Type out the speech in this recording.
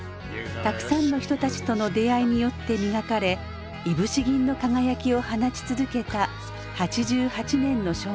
たくさんの人たちとの出会いによって磨かれいぶし銀の輝きを放ち続けた８８年の生涯でした。